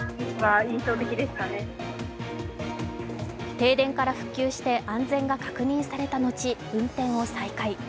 停電から復旧して安全が確認された後、運転を再開。